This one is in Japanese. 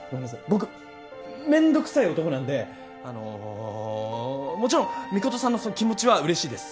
僕めんどくさい男なんであのもちろんミコトさんのその気持ちはうれしいです。